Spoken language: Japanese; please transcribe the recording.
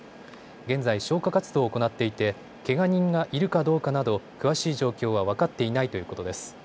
現在、消火活動を行っていてけが人がいるかどうかなど詳しい状況は分かっていないということです。